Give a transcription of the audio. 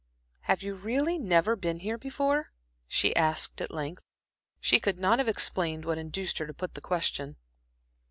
"Have you really never been here before?" she asked at length. She could not have explained what induced her to put the question.